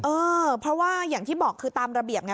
เออเพราะว่าอย่างที่บอกคือตามระเบียบไง